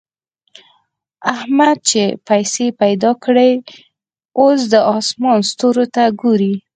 احمد چې پيسې پیدا کړې؛ اوس د اسمان ستورو ته ګوري.